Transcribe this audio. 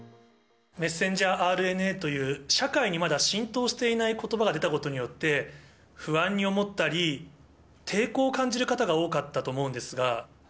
メッセンジャーＲＮＡという、社会にまだ浸透していないことばが出たことによって、不安に思ったり、抵抗を感じる方が多かったと思うんですが。